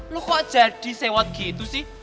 lo kok jadi sewat gitu sih